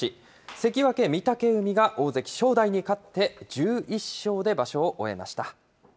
関脇・御嶽海が大関・正代に勝って１１勝で場所を終えました。